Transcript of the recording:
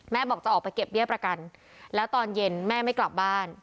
บอกจะออกไปเก็บเบี้ยประกันแล้วตอนเย็นแม่ไม่กลับบ้าน